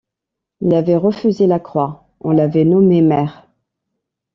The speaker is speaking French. Il avait refusé la croix, on l’avait nommé maire.